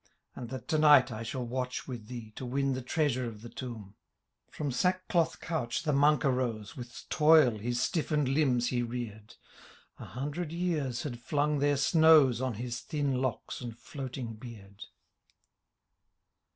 And that to night I shall watch with thee. To win the treasure of the tomh. From sackcloth couch the Monk arose. With toil his stiffened limhs he rear'd ; A himdred years had flung their snows. On his thin locks and floating heard.